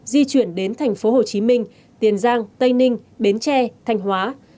di chuyển đến thành phố hồ chí minh tiền giang tây ninh bến tre thanh hóa